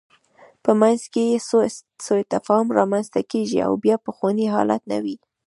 په منځ کې یې سوء تفاهم رامنځته کېږي او بیا پخوانی حالت نه وي.